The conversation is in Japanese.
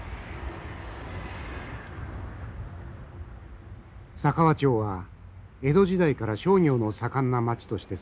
佐川町は江戸時代から商業の盛んな町として栄えました。